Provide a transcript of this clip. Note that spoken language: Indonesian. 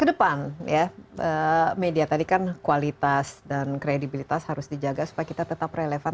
kedepan ya media tadi kan kualitas dan kredibilitas harus dijaga supaya kita tetap relevan